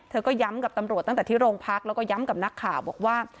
ก็ย้ำกับตำรวจตั้งแต่ที่โรงพักแล้วก็ย้ำกับนักข่าวบอกว่า